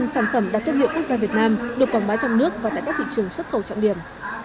một trăm linh sản phẩm đạt thương hiệu quốc gia việt nam được quảng bá trong nước và tại các thị trường xuất khẩu trọng điểm